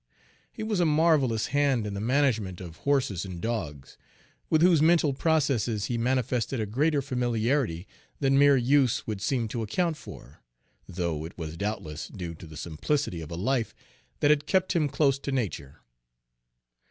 He was a marvelous hand in the management of horses and dogs, with whose mental processes he manifested a greater familiarity than mere use would seem to account for, though it was doubtless due to the simplicity of a life that had kept him close to nature.